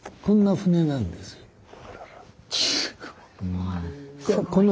こんな船なんです。